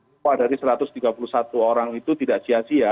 semua dari satu ratus tiga puluh satu orang itu tidak sia sia